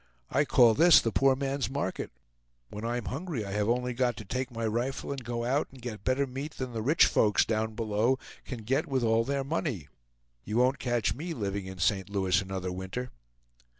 I call this the poor man's market. When I'm hungry I have only got to take my rifle and go out and get better meat than the rich folks down below can get with all their money. You won't catch me living in St. Louis another winter."